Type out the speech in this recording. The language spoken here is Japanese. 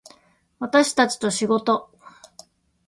私たちと仕事